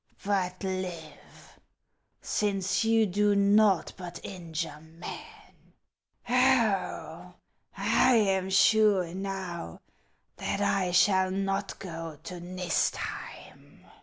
But live, since you do naught but injure men. Oh, I am sure now that I shall not go to Nistheim